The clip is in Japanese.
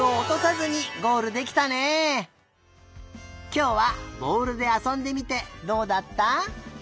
きょうはぼおるであそんでみてどうだった？